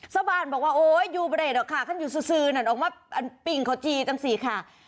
สาวบ้านบอกว่าโอ๊ยอยู่ไปเดินเดี๋ยวค่ะเขาอยู่ซื้อนั่นออกมาปิ่งเขาจีนตั้งสี่ค่ะ